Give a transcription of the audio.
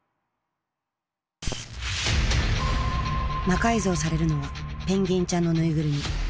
魔改造されるのはペンギンちゃんのぬいぐるみ。